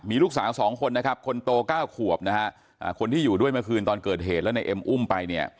มีลูกสาว๒คนนะครับคนโต๙ขวบนะฮะคนที่อยู่ด้วยเมื่อคืนตอนเกิดเหตุแล้วในเอ็มอุ้มไปเนี่ย